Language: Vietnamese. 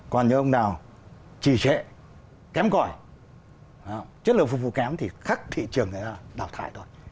còn nếu ông nào trì trệ kém còi chất lượng phục vụ kém thì khắc thị trường đào thải thôi